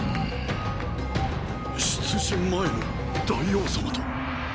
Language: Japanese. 出陣前の大王様と。